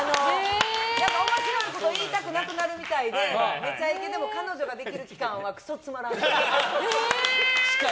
面白いこと言いたくなくなるみたいで「めちゃイケ」でも彼女ができる期間はクソつまらん。